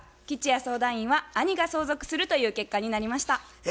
吉弥相談員は「兄が相続する」という結果になりました。